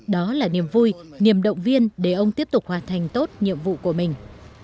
đó là niềm vui niềm động viên để ông tiếp tục hoàn thành tốt nhiệm vụ của mình